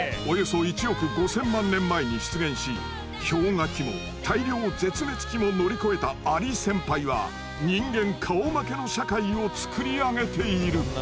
およそ１億５，０００万年前に出現し氷河期も大量絶滅期も乗り越えたアリ先輩は人間顔負けの社会を作り上げている。